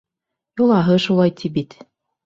Йолаһы шулай, ти бит.